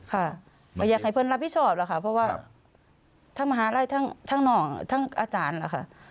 ค่ะไม่อยากให้เพื่อนรับผิดชอบหรอกค่ะเพราะว่าทั้งมหาลัยทั้งน้องทั้งอาจารย์นะคะ